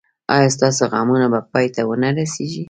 ایا ستاسو غمونه به پای ته و نه رسیږي؟